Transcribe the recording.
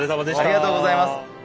ありがとうございます。